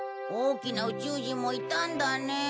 大きな宇宙人もいたんだね。